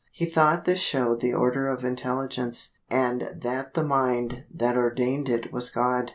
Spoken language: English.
He thought this showed the order of intelligence, and that the mind that ordained it was God.